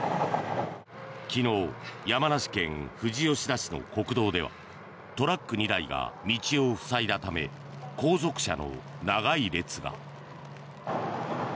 昨日山梨県富士吉田市の国道ではトラック２台が道を塞いだため後続車の長い列が。